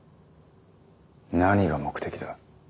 何が目的だ。